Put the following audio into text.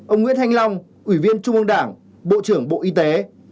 một mươi tám ông nguyễn thanh long ủy viên trung ương đảng bộ trưởng bộ y tế